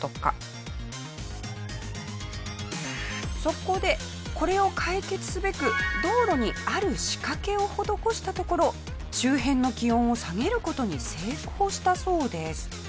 そこでこれを解決すべく道路にある仕掛けを施したところ周辺の気温を下げる事に成功したそうです。